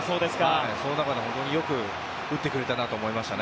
その中でよく打ってくれたなと思いましたね。